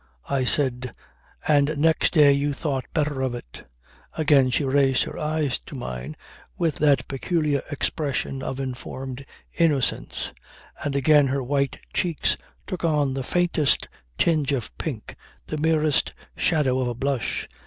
I said: "And next day you thought better of it." Again she raised her eyes to mine with that peculiar expression of informed innocence; and again her white cheeks took on the faintest tinge of pink the merest shadow of a blush.